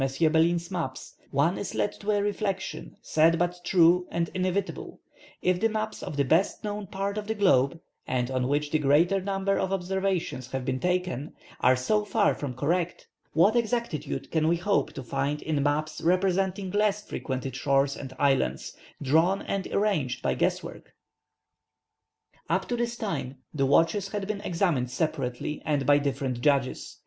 Bellin's maps, one is led to a reflection, sad but true and inevitable if the maps of the best known part of the globe, and on which the greater number of observations have been taken, are so far from correct, what exactitude can we hope to find in maps representing less frequented shores and islands, drawn and arranged by guess work?" Up to this time the watches had been examined separately and by different judges.